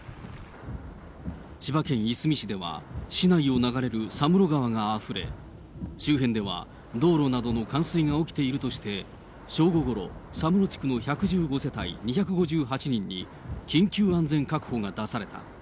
千葉県いすみ市では、市内を流れる佐室川があふれ、周辺では道路などの冠水が起きているとして、正午ごろ、佐室地区の１１５世帯２５８人に緊急安全確保が出された。